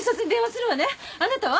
あなたは。